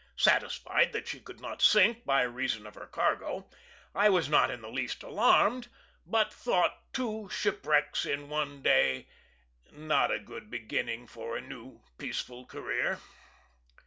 Satisfied that she could not sink, by reason of her cargo, I was not in the least alarmed, but thought two shipwrecks in one day not a good beginning for a new, peaceful career.